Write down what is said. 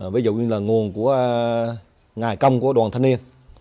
ví dụ như là nguồn của ngài công của đoàn thanh niên